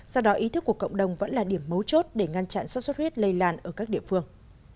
do đó ý thức của cộng đồng vẫn là điểm mấu chốt để ngăn chặn sốt xuất huyết lây lan ở các địa phương